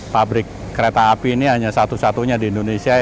pabrik kereta api ini hanya satu satunya di indonesia